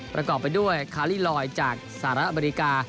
ประกอบไปด้วยคาลีลอยจากสหรัฐอเมริกา